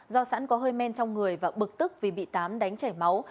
do sẵn có hơi men trong người và bực tức vì bị tám đánh chảy máu